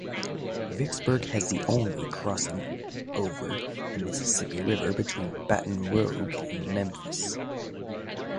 Vicksburg has the only crossing over the Mississippi River between Baton Rouge and Memphis.